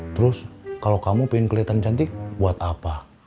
terus kalau kamu pengen keliatan cantik buat apa